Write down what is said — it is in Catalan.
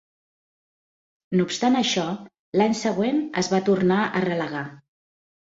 No obstant això, l'any següent, es va tornar a relegar.